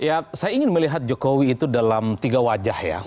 ya saya ingin melihat jokowi itu dalam tiga wajah ya